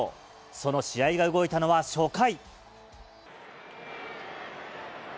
その試合が動いたのは初回。